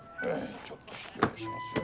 ちょっと失礼しますよ。